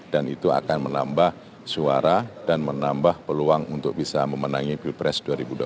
dan itu akan menambah suara dan menambah peluang untuk bisa memenangi pilpres dua ribu dua puluh empat